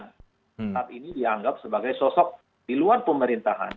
saat ini dianggap sebagai sosok di luar pemerintahan